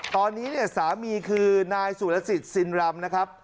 ตอนนี้สามี่คือนายศุฤษฤซินลำนะครับ